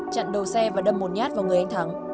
chặn đầu xe và đâm một nhát vào người anh thắng